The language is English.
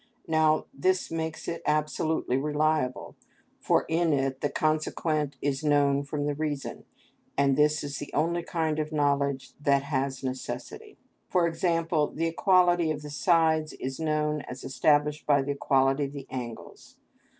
Now this makes it absolutely reliable, for in it the consequent is known from the reason, and this is the only kind of knowledge that has necessity; for example, the equality of the sides is known as established by the equality of the angles.